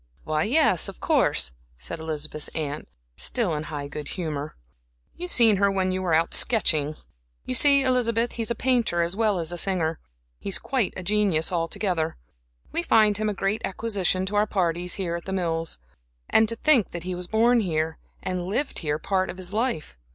"Why, yes, of course," said Elizabeth's aunt, still in high good humor, "you've seen her when you were out sketching. You see, Elizabeth, he's a painter as well as a singer; he's quite a genius, altogether. We find him a great acquisition to our parties here at The Mills. And to think that he was born here, and lived here part of his life!